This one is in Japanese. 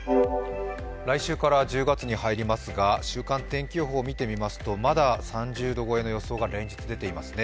来週から１０月に入りますが週間天気予報を見てみますとまだ３０度超えの予想が連日出ていますね。